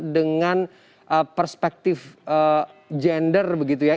dengan perspektif gender begitu ya